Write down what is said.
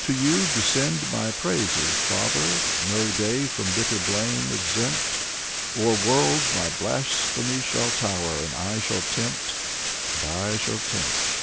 To you descend my praises. Father, No day from bitter blame exempt. O'er worlds my blasphemy shall tower; And I shall tempt — and I shall tempt.